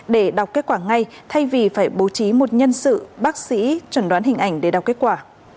để đọc kết quả ngay thay vì phải bố trí một nhân sự bác sĩ chuẩn đoán hình ảnh để đọc kết quả